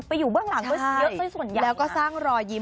ไปอยู่เบื้องหลังก็เยอะสุดส่วนอย่างค่ะใช่แล้วก็สร้างรอยยิ้ม